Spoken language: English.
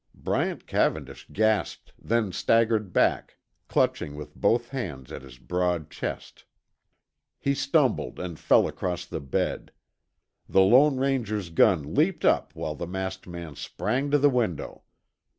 Bryant Cavendish gasped, then staggered back, clutching with both hands at his broad chest. He stumbled and fell across the bed. The Lone Ranger's gun leaped up while the masked man sprang to the window.